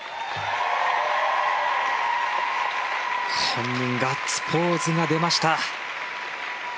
本人ガッツポーズが出ました。